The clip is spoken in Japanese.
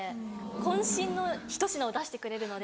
こん身のひと品を出してくれるので。